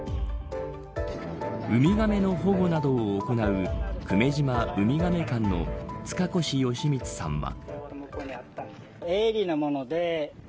ウミガメの保護などを行う久米島ウミガメ館の塚越佳充さんは。